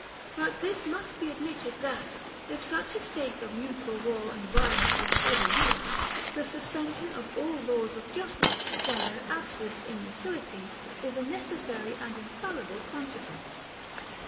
But this must be admitted, that, if such a state of mutual war and violence was ever real, the suspension of all laws of justice, from their absolute inutility, is a necessary and infallible consequence.